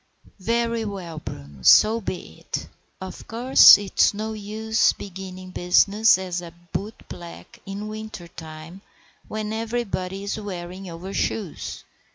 "Very well, Bruno, so be it. Of course it's no use beginning business as a bootblack in winter time, when everybody is wearing overshoes.